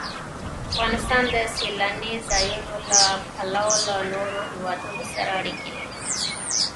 افغانستان د سیلانی ځایونه له پلوه له نورو هېوادونو سره اړیکې لري.